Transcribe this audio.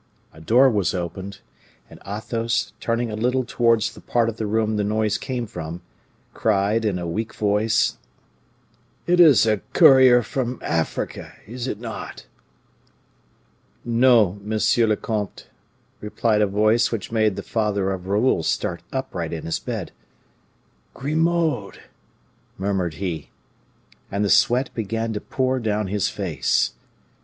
A door was opened, and Athos, turning a little towards the part of the room the noise came from, cried, in a weak voice: "It is a courier from Africa, is it not?" "No, monsieur le comte," replied a voice which made the father of Raoul start upright in his bed. "Grimaud!" murmured he. And the sweat began to pour down his face.